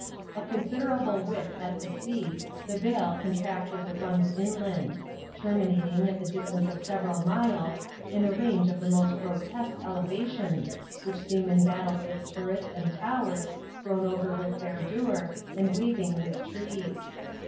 Of considerable width at the sea, the vale contracts as it runs inland ; terminating, at the distance of several miles^ in a range of the most grotesque elevations, which seem em battled with turrets and towers, grown over with verdure, and waving with trees.